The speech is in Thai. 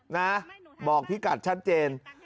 นะบอกพี่กัดชัดเจน